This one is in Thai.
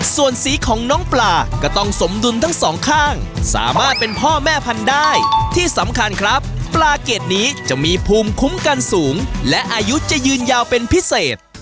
ส่วนสีของน้องปลาก็ต้องสมดุลทั้งสองข้างสามารถเป็นพ่อแม่พันธุ์ได้ที่สำคัญครับปลาเกรดนี้จะมีภูมิคุ้มกันสูงและอายุจะยืนยาวเป็นพิเศษ